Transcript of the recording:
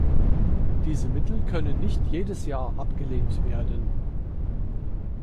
Diese Mittel können nicht jedes Jahr abgelehnt werden.